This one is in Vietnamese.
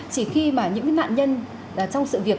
chỉ khi mà những mạng nhân trong sự việc